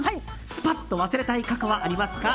スパッと忘れたい過去はありますか？